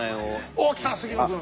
おっ来た杉野君。